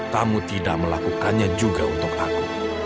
tamu tidak melakukannya juga untuk aku